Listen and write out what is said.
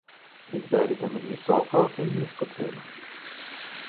Izberite med visoko in nizko ceno.